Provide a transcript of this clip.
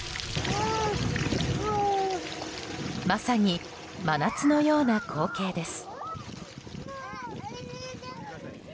まさに真夏のような光景です。